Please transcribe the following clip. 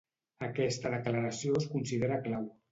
Aquesta declaració es considera clau.